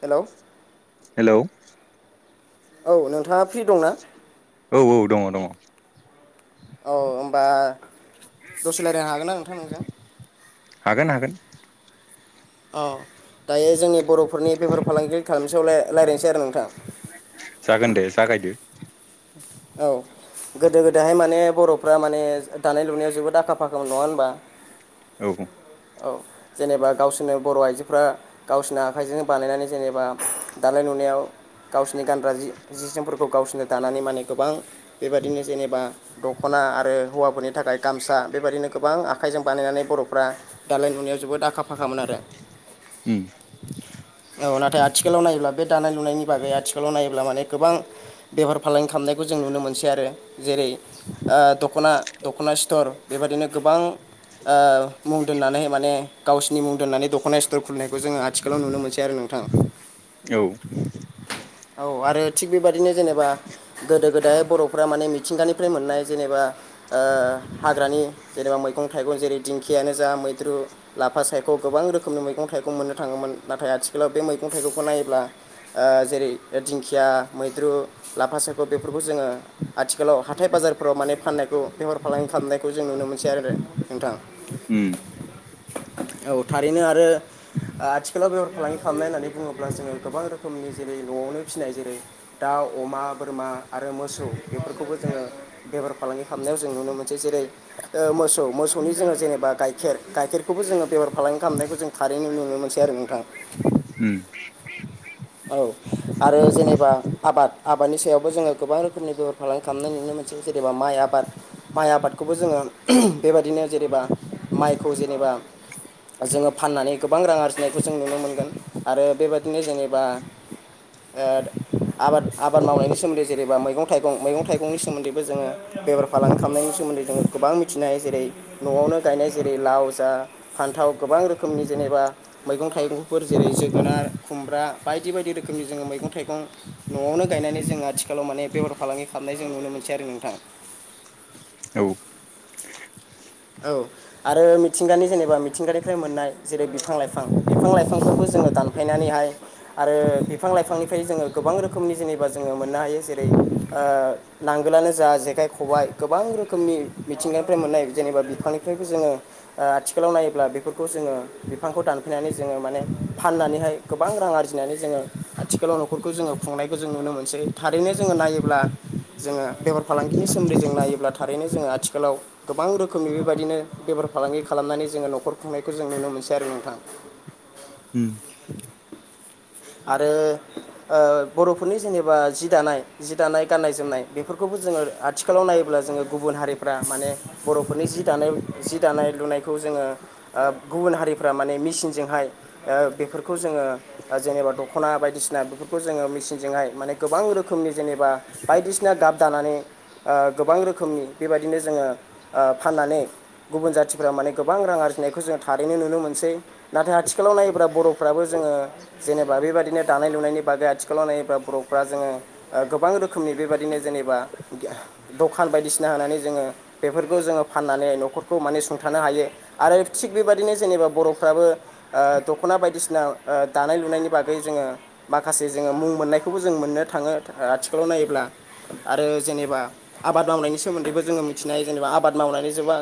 Hello hello औ नोंथाङा free दंना औ औ दङ दङ औ होनोमबा दसे रायजल्लायनो हागोन ना नोंथां नोंजों हागोन हागोन औ दायो जोंनि बर'फोरनि बेफार फालांगि खालामसेयाव रायज्लायनोसै आरो जागोन नोंथाङा दे जागायदो औ गोदो गोदायहाय माने बर'फ्रा माने दानाय लुनायाव जोबोद आखा फाखा नङा होनबा औ औ जेनेबा गावसोरनो बर' आइजोफ्रा गावसोरनो आखाइजोंजों बानायनानै जेनेबा दालाय नु गाव गावसोरनि गानग्रा जि जि जोमफोरखौ गावसोरनो दानानै माने गोबां बेबदिनो जेनेबा दख'ना आरो हौवाफोरनि थाखाय गामसा बेबायाददिनो गोबां आखाइजों बानायनानै बर'फ्रा दालाय नुनायाव जोबोद आखा फाखामोन आरो औ नाथाय आथिखालाव नायोब्ला बे दानाय लुनायनि बागै आथिखालाव नायोब्ला माने गोबां बेफार फालांगि खालामनायखौ जों नुनो मोनसै आरो जेरै दख'ना दख'ना स्थर बेबायाददिनो गोबां मुं दोननानै माने गावसिनि मुं दोननानै दख'ना स्टर खुलिनायखौ जोङो आथिालाव नुनो मोनै आरो नोंथाङा औ औ आरो थिग बेबदिनो जेनेबा गोदो गोदाय बर'फ्रा माने मिथिंगानिफ्राय मोननाय जेनेबा हाग्रानि जेनेबा मैगं थाइगं जेरै दिंखियानो जा मैद्रु लाफा सायख' गोबां रोखोमनि मैगं थाइगं मोननो थाङोमोन नाथाय आथिखालाव बे मैगं मैं थाइगंखौ नायोब्ला जेरै दिंखिया मै्रु लााफ थ बेफोरखौ जोङो आथिखालाव हाथाय बाजारफोराव माने फाननायखौ बेहार फालांगि खालामनायखौ जों नुनो मोनसै आरो नोंथां उम [inaudible] औ थारैनो आरो आथिखालाव बेहार फालांगि खालामनाय होननानै बुङोब्ला जोङो गोबां रोखोमनि जेरै न'आवनो फिसिनाय जेरै दाउ अमा बोरमा आरो मोसौ बेफोरखौबो जोङो बेफार फालांगि खालामनायाव जों नुनो मोनसै जेरै ओ मोसौ मोसौनि जोङो जेनेबा गाइखेर गाइखेरखौबो जोङो बेफार फालांगि खालामनायखौ जों थारैनो नुनो मोनसै आरो नोंथाङा। उम औ आरो जेनेबा आबाद आ बादनि सायावबो जोङो गोबां रोखोमनि बेफार फालांगि खालामनाय नुनो मोनसै जेनबा माइ आबाद। माइ आबादखौबो जोङो बेबायदिनो जेनेबा माइखौ जेनेबा जोङो फाननानै गोबां रां आरजिनायखौ जों नुनो मोनगोन आरो बेबायदिनो जेनेबा ओद आबाद आब बाद मावनायनि सोमोन्दै जेनेबा थाइगं मैगं, मैगं थाइंनि सोमोन्दैबो जोङो बेफार फालांगि खालामनायनि सोमोन्दै जों गोबां मिथिनाय जेरै न'आवनो गायनाय जेरै लाव जा फान्थाव गोबां रोखोमनि जेनेबा मैगं थाइगंफोर जेरै जोगोनार खुमब्रा बायदि बायदि रोखोमनि जोङो मैगं थाइगं न'आवनो गायनानै जों आथिखालाव माने बेहार फालांगि खामनाय जों नुनो मोनसै आरो नोंथां। औ। औ आरो मिथिंगानि जेनेबा मिथिंगानिफ्राय मोननाय जेरै बिफां -लाइफां बिफां लाइफांखौबो जों ङो दानफायनानैहाय आरो बिफां लाइफांनिफ्राय जोङो गोबां रोखोमनि जेनेबा जोङो मोननो हायो जेरै ओ नांगोलानो जा जेखाय खबाय गोबां रोखोमनि मिथिंगानिफ्राय मोननाय जेनेबा बिफांनिफ्रायबो जोङो ओ आथिखालाव नायोब्ला बेफोरखौ जोङो बिफांखौ दानफैनानै जोङो माने फाननानैहाय गोबां रां आरजिनानै जोङो आथिखालाव न'खरखौ जोङो खुंनायखौ जों नुनो मोनसै थारैनो जोङो नायोब्ला जोङो बेफार फालांगिनि सोमोन्दै जों नायोब्ला थारैनो जोङो आथिालाव गोबां रो खोमनि बेबायदिनो बेफार फालांगि खालामनानै जोङो न'खर खुंनायखौ जों नुनो मोनसै आरो नोंथां। उम आरो ओ बर'फोरनि जेनेबा जि दानाय जि दानाय गान्नाय जोमनाय बेफोरखौबो जोङो आथिखालाव नायोब्ला जोङो गुबुन हारिफ्रा माने बर'फोरनि जि दानाय जि दानाय लुनायखौ जोङो ओ गुबुन हारिफोरा माने मिचिनजोंहाय ओ बेफोरखौ जोङो बा जेनेबा दख'ना बायदिसिना बेफोरखौ जोङो मेसिनजोंहाय माने गोबां रोखोमनि जेनेबा बायदिसिना गाब दानानै ओ गोबां रोखोमनि बेबायदिनो जोङो ओ फाननानै गुबुन जाथिफोरा माने गोबां रां आरजिनायखौ जों थारैनो नुनो मोनसै नाथाय आथिखालाव नायोब्ला बर'फ्राबो जों जोङो जेनेबा बेबायदिनो दानाय लुनायनि बागै आथिखालाव नायोब्ला बर'फ्रा जोङो ओ गोबां रोखोमनि बेबायदिनो जों जेनेबा दखान बायदिसिना होनानै जोङो बेफोरखौ जोङो फाननानै न'खरखौ माने सुंथा नो हायो आरो थिग बेबदिनो जेनेबा बर'फ्राबो ओ दख'ना बायदिसिना ओ दानाय लुनायनि बागै जोङो माखासे जोङो मुं मोननायखौबो जों मोननो थाङो आथिखालाव नायोब्ला। आरो जेनेबा आबाद मावनायनि सोमोन्दैबो जोङो मिथिनो हायो जेनेबा आबाद मावनानै जोबा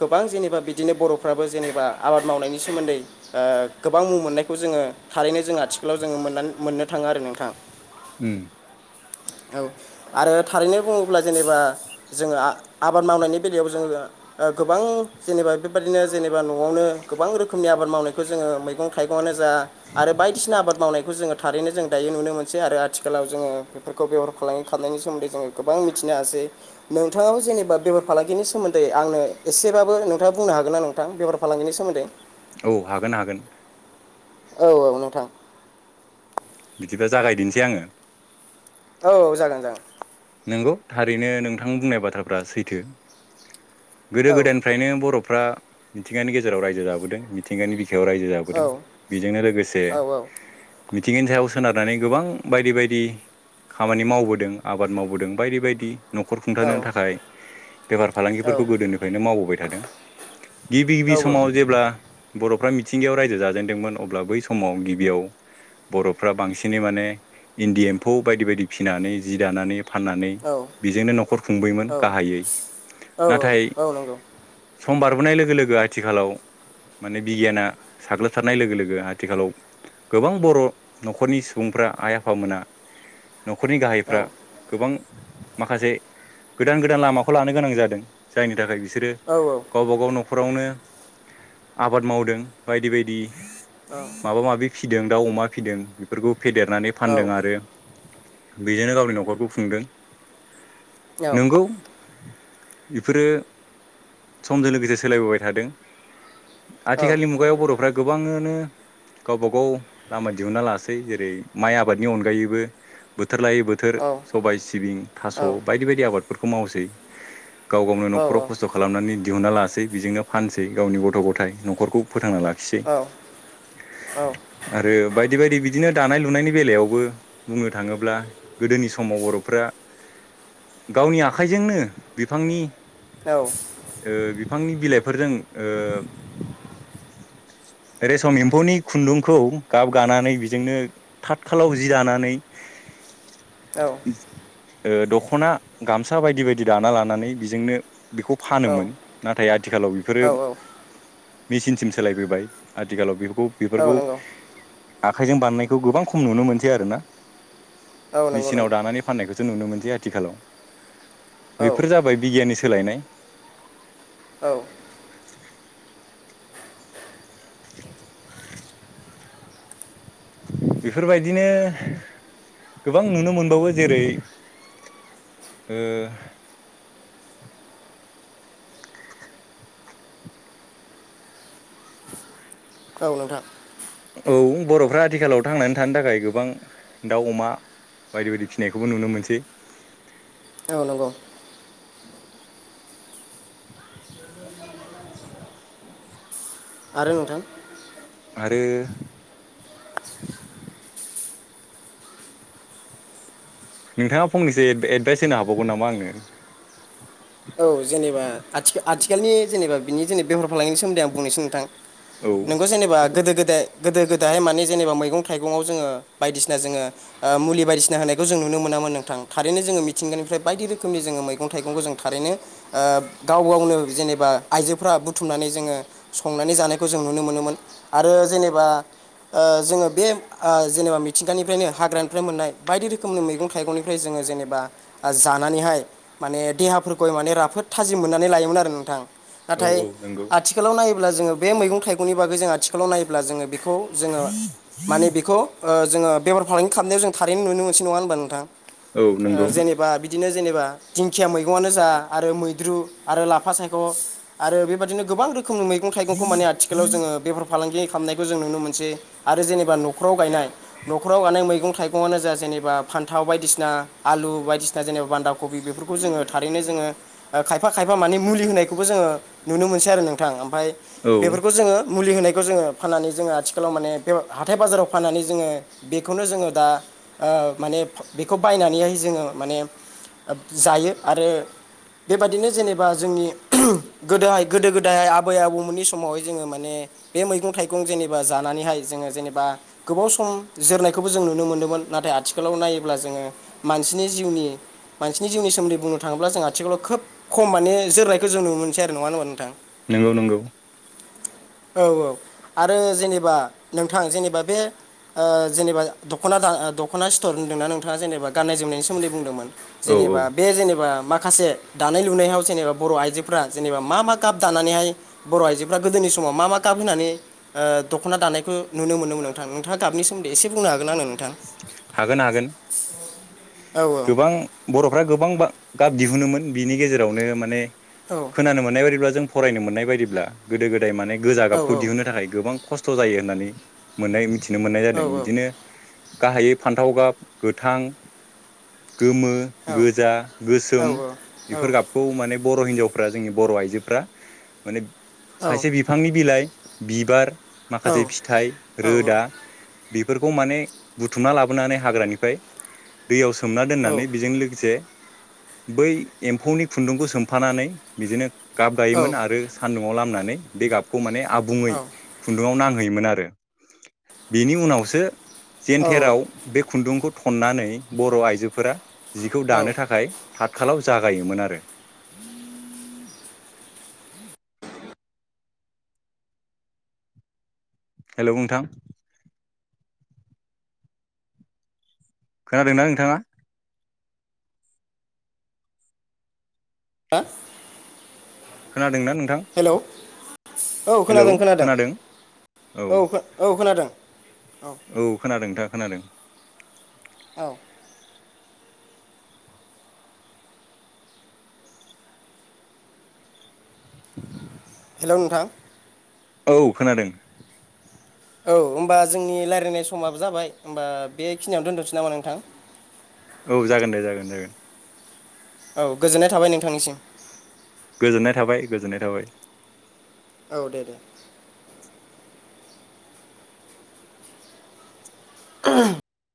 गोबां जेनेबा बिदिनो बर'फ्राबो जेनेबा आबाद मावनायनि सोमोन्दै ओ गोबां मुं मोननायखौ जोङो थारैनो जों आथिखालाव जोङो मोननानै मोननो थाङो आरो नोंथां। उम। [inaudible] औ आरो थारैनो बुङोब्ला जेनेबा जोङो आ आबाद मावनायनि बेलायाव जोङो गोबां जेनेबा बेबादिनो जेनेबा न'आवनो गोबां रोखोमनि आबाद मावनायखौ जोङो मैगं- थाइगंआनो जा आरो बायदिसिना आबाद मावनायखौ जोङो थारैनो जों दायो नुनो मोनसै आरो आथिखालाव जोङो बेफोरखौ बेफार फालांगि खा [unintelligible] सोमोन्दै जोङो गोबां मिथिनो हासै। नोंथाङाबो जेनेबा बेफार फालांगिनि सोमोन्दै आंनो एसे बाबो नोंथाङा बुंनो होगोनना नोंथां बेफार फालांगिनि सोमोन्दै? औ हागोन हागोन। औऔ नोंथां। बिदिबा जागायदिनिसै आङो। औ जागोन जागोन। नंगौ थारैनो नोंथां बुंनाय बाथ्राफोरा सैथो गोदो औ गोदायनिफ्रायनो बर' फ्रा मिथिंगानि गेजेराव रायजो जाबोदों मिथिंगानि बि खायाव रायजो औ जाबोदों बिजोंनो लोगोसे औ मिथिंगानि सायाव सोनारनानै गोबां बायदि बायदि खामानि मावबोदों आ आबाद मावबोदों बायदि -बायदि न'खर खुंथानो थाखाय बेफार फालांगिफोरखौ गोदोनिफ्रायनो मावबोबाय थादों गिबि- औ गिबि समाव जेब्ला बर'फ्रा मिथिंगायाव रायजो जाजेनदोंमोन अब्ला बै समाव गिबियाव बर'फ्रा बांसिनै माने इन्दि एम्फौ बायदि -बायदि फिनानै जि दानानै फाननानै औ बेजोंनो न'खर खुंबोयोमोन औ गाहायै औ नाथाय औ नंगौ सम बारबोनाय लोगो लोगो आथिखालाव माने बिगियाना साग्लोबसारनाय लोगो लोगो आथिखालाव गोबां बर' न'खरनि सुबुं फ्रा आइ आफामोना [inaudible] न'खरनि औ गाहायफ्रा गोबां माखासे गोदान गोदान लामाखौ लानो गोनां जादों जायनि थाखाय बिसोरो औ गावबा गाव न'खर न'खरावनो आबाद मावदों बायदि बायदि माबा माबि फिदों दाउ अमा फिदों बेफोरखौ फेदेरनानै फानदों आरो बेजोंनो गावनि न' खरखौ खुंदों नंगौ बेफोरो समजों लोगोसे सोलायबोबाय थादों आथिखालनि मुगायाव बर'फ्रा गोबांआनो गावबा गाव लामा दिहुनना लासै जेरै माइ आबादनि अनगायैबो बोथोर लायै बोथोर सबाय सिबिं थास' बायदि बायदि आबादफोरखौ मावसै। गाव गावनो न'खराव खस्थ' खालामनानै दिहुनना लासै बिजोंनो फानसै गावनि गथ' गथाय न'खरखौ फोथांना लाखिसै आरो बायदि बायदि बिदिनो दानाय लुनायनि बेलायावबो बुंनो थाङोब्ला गोदोनि सम समाव बर'फ्रा गावनि आखाइजोंनो बिफांनि औ ओ बिफांनि बिलाइफोरजों ओ रेसम एम्फौनि खुन्दुंखौ गाब गानानै बेजोंनो थाथ खाालाव जि दानानै औ ओ दख'ना गामसा बायदि बायदि दाना लानानै बिजोंनो बेखौ फानोमोन नाथाय आथिखालाव बेफोरो औ मेचिनसिम सोलायबोबाय आथिखालाव बेफोरखौ औ बेफोरखौ नंगौ आखाइजों बानायनायखौ गोबां खम नुनो मोनसै आरोना औ नंगौ मेचिनाव नंगौ दानानै फाननायखौ जों नुनो मोनसै आथिखालाव औ बेफोर जाबाय बिगियाननि सोलायनाय औ बेफोरबायदिनो गोबां नुनो मोनबावो जेरै ओ औाव नोंथां औ बर'फ्रा आथिखालाव थांनानै थानो थाखाय गोबां दाउ अमा बायदि बायदि फिनायखौबो नुनो मोनसै औ नंगौ आरो नोंथां आरो नोंथाङा फंनैसो एडभाइस होनो हाबावगोन नामा आंनो औ जेनेबा आ आथिखालनि जेनेबा बिनि जेनब बेहर फालांनायनि सोमोन्दै आं बुंनोसै नोंथां औ नोंगौ जेनेबा गोदो गोदाय गोदो गोदायाहाय माने जेनेबा मैगं थाइगंआव जोङो बायदिसिना जोङो मुलि बायदिसिना होनायखौ जों नुनो मोना नोंथां थारैनो जोङो मिथिंगानिफ्राय बायदि रोखोमनि मैगं थाइगंखौ जों थारैनो ओ गाव गावनो जेनेबा आइजोफोरा बुथुमनानै जोङो संनानै जानायखौ जों नुनो मोनोमोन आरो जेनेबा ओ जोङो बे ओ जेनेबा मिथिंगानिफ्रायनो हाग्रानिफ्राय मोननाय बायदि रोखोमनि मैगं थाइगंनिफ्राय जोङो जेनेबा जानानै माने देहा फोर गय माने राफोद थाजिम मोननानै लायोमोन आरो नोंथां औ नाथाय औ नंगौ आथिखालाव नाय अब्ला जोङो बे मैगं थाइगंनि बागै जो आथिखालाव नायोब्ला जोङो बेखौ जोङो माने बेखौ ओ जोङो बेमार फालांगि खालामनायाव जों थारैनो नुनो मोनस नङा होनबा नोंथां औ नंगौ ओ जेनेबा बिदि बिदिनो जेनेबा दिंखिया मैगं आनो आरो मैद्रुआरो लाफासायख' आरो बेबादिनो गोबां रो रोखोम मैग थाइगंखौ मान आखालाव जोङो बेब्र फालांगि खालामनायखौ जों नुनो मोनसै आरो जेनेबा न'खराव गायनाय न'खरावगनाय मैगं मगं थाइंआनो जा जेनेबा फान्थाव बायदिसिना आलु बायदिसिना जेनेबा बान्दाखबि बेफोरखौ जोङो थारैनो जोङो खायफा खायफा मानिे मुलि होनायखौबो जोङो नुनो मोनसै आरो नोंथां ओमाफाय औ बेफोरखौ जोङो मुलि होनाय जोङो फनानै जोङो आथिखालाव माने बे हाथाय बाजाराव फाननानै जोङो बेखौनो जोङो दा ओ ओ माने बेखौ बायनानैहाय जोङो माने जायो आरो बेबादिनो जेनेबा जोंनि गोदोहाय गोदो गोदायाय आबै आबौमोननि समावहाय जोङो माने, बे मैगं थाइगं जेनेबा जानानैहाय जोङो जेनेबा गोबाव सम जोरनायखौबो जों नुनो मोनदोंमोन। नाथाय आथिखालाव नायोब्ला जोङो मानसिनि जिउनि मानसिनि जिउनि सोमोन्दै बुंनो थाङोब्ला जों आथिखालाव खोब खम माने जोरनायखौ जों नुनो मोनसै नङा होनबा नोंथां, नंगौ नंगौ औ औ आरो जेनेबा नोंथां जेनेबा बे, ओजेनेबा दख'ना दा-दख'ना स्थर होन्दोंना नोंथाङा जेनेबा गाननाय जोमनायनि सोमोन्दै बुंदोंमोन, औ औ जेनेबा बे जेनेबा बा माखासे दानाय लुनायाव जेनेबा बर' आइजोफोरा जेनेबा मा मा गाब दानानैहाय बर' आइजोफ्रा गोदोनि समाव मा मा गाब ओ होनानै दख'ना दानायखौ नुनो मोनोमोन नोंथां नोंथाङा गाबनि सोमोन्दै एसे बुंनो हागोन आंनो, नोंथां हागोन-हागोन औ गोबां बर'फ्रा गोबां गाब दिहुनोमोन बिनि गेजेरावनो माने औ खोनानो मोननाय बायदिब्ला जों, फरायनो मोननाय बायदिब्ला गोदो गोदाय माने गोजा औ गाबखौ दिहुननो थाखाय गोबां, खस्थ' जायो होननानै मोननाय मिथिनो मोननाय औ जादों बिदिनो, गाहायै फान्थाव गाब गोथां गोमो, औ गोजा, औ औ गोसोम बेफोर गाबखौ माने बर' हिनजावफ्रा जोंनि बर' आइजोफ्रा माने खायसे बिफांनि बिलाइ, बिबार माखासे फिथाइ रोदा बेफोरखौ माने, बुथुमना लाबोनानै हाग्रानिफ्राय दैयाव सोमना दोननानै बेजों लोगोसे, बै एम्फौनि खुन्दुंखौ सोमफानानै बिदिनो, गाब गायोमोन आरो सान्दुङाव लामनानै बे गाबखौ माने आबुङै खुन्दुङाव नां होयोमोन आरो बिनि उनावसो जेनथेराव बे खुन्दुंखौ थ'ननानै बर' आइजोफोरा जिखौ औ दानो थाखाय, हातखालाव जागायोमोन आरो हेलौ नोंथां खोनादोंना नोंथाङा, [unintelligible] खोनादों ना? नोंथां हेलौ औ हेलौ खोनादों खोनादों औ औ खोनादों नोंथा खोनादों, औ हेलौ नोंथां औ खोनादों औ होमबा जोंनि रायज्लायनाय समाबो जाबाय होनबा बेखिनियावनो दोन्थ'नोसै नामा नोंथां औ जागोन दे जागोन जागोन औ गोजोननाय थाबाय नोंथांनिसिम, गोजोननाय थाबाय गोजोननाय थाबाय, औ दे दे [unintelligible]